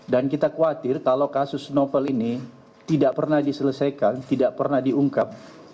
dan kita khawatir kalau kasus novel ini tidak pernah diselesaikan tidak pernah diungkap